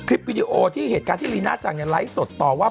วิดีโอที่เหตุการณ์ที่ลีน่าจังไลฟ์สดต่อว่า